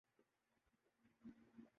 میں نے پوچھا کیوں چھٹی ہے